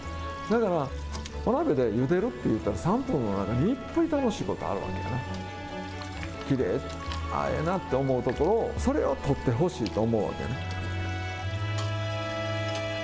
だから、お鍋でゆでるっていったら、３分間っていっぱい楽しいことがあるわけねきれい、あぁ、ええなって思うところをそれを撮ってほしいと思うわけね。